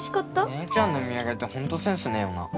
姉ちゃんの土産ってホントセンスねえよな